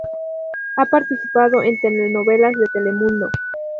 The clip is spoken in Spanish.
Ha participado en telenovelas de Telemundo.